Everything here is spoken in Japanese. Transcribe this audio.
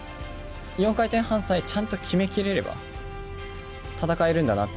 ４回転半さえちゃんと決めきれれば、戦えるんだなって